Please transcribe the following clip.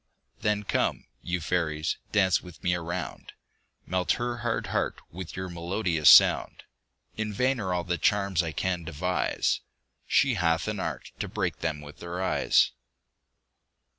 Then come, you fairies, dance with me a round; Melt her hard heart with your melodious sound. In vain are all the charms I can devise; She hath an art to break them with her eyes.